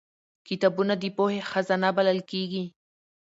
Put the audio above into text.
کتابونه د پوهې خزانه بلل کېږي